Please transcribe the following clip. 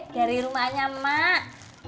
dari rumahnya mak